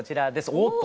おっと！